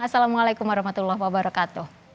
assalamu alaikum warahmatullahi wabarakatuh